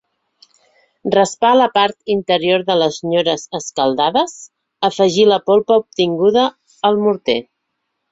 Raspar la part interior de les nyores escaldades afegir la polpa obtinguda al morter.